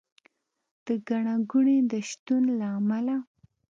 د ګڼه ګوڼې د شتون له امله